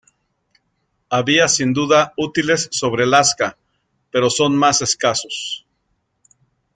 Había sin duda útiles sobre lasca pero son más escasos.